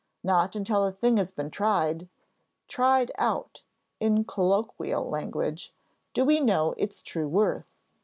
Not until a thing has been tried "tried out," in colloquial language do we know its true worth.